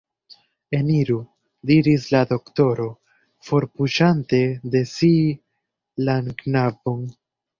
Eniru! diris la doktoro, forpuŝante de si la knabon.